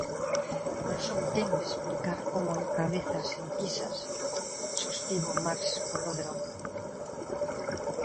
Non son quen de explicar como encabeza as enquisas, sostivo Max Colodro.